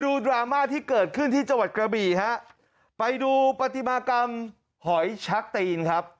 ดราม่าที่เกิดขึ้นที่จังหวัดกระบี่ฮะไปดูปฏิมากรรมหอยชักตีนครับ